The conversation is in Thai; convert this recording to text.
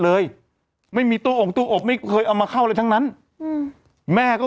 เลยไม่มีตัวองค์ตัวอบไม่เคยเอามาเข้าเลยทั้งนั้นอืมแม่ก็